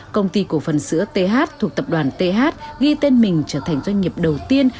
công ty cổ phần sữa th thuộc tập đoàn th ghi tên mình trở thành doanh nghiệp đầu tiên